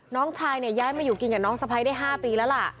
น้องชายเนี่ยย้ายมาอยู่กินกับน้องสะพ้ายได้๕ปีแล้วล่ะ